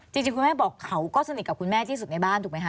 จริงคุณแม่บอกเขาก็สนิทกับคุณแม่ที่สุดในบ้านถูกไหมคะ